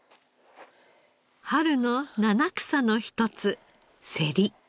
春の七草の一つセリ。